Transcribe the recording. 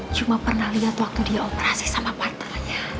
cuma pernah lihat waktu dia operasi sama partnernya